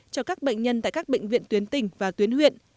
cho các bệnh nhân tại các bệnh viện tuyến tỉnh và tuyến huyện